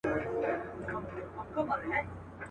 د پنیر ټوټه ترې ولوېده له پاسه.